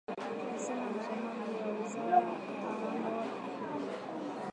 alisema msemaji wa wizara ya mambo ya nje Marekani Ned Price